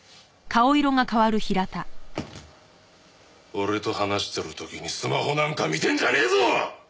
俺と話してる時にスマホなんか見てんじゃねえぞ！